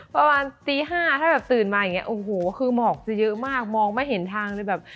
ประมาณตี๕ถ้าแบบตื่นมาอย่างเงี้โอ้โหคือหมอกจะเยอะมากมองไม่เห็นทางเลยแบบ